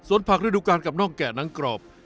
สวนผักเลยรูปการกับนอกแก่น้ำกรอบ